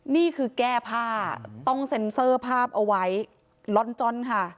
นี่คือแก้ผ้าต้องเซ็นเซอร์ภาพเอาไว้ลอนจ้อนค่ะ